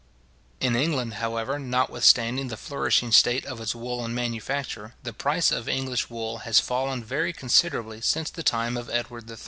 In England, however, notwithstanding the flourishing state of its woollen manufacture, the price of English wool has fallen very considerably since the time of Edward III.